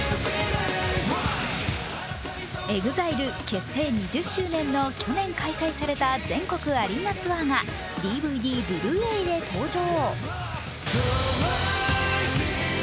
ＥＸＩＬＥ結成２０周年の去年開催された全国アリーナツアーがＤＶＤ、ブルーレイで登場。